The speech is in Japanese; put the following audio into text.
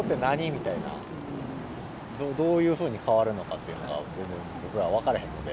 みたいな、どういうふうに変わるのかっていうのが、僕ら分からへんので。